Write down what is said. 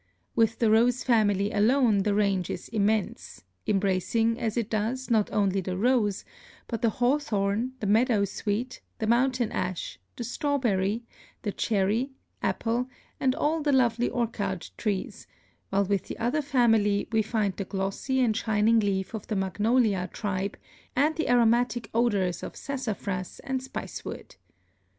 With the rose family alone the range is immense, embracing, as it does, not only the rose, but the hawthorn, the meadow sweet, the mountain ash, the strawberry, the cherry, apple and all the lovely orchard trees, while with the other family we find the glossy and shining leaf of the magnolia tribe, and the aromatic odors of sassafras and spice wood.